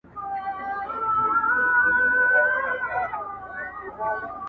دودونه بايد بدل سي ژر,